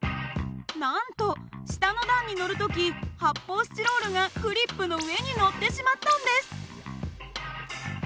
なんと下の段にのる時発泡スチロールがクリップの上にのってしまったんです。